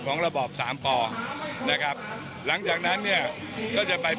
ระบอบสามป่อนะครับหลังจากนั้นเนี่ยก็จะไป